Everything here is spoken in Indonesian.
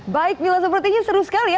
baik mila sepertinya seru sekali ya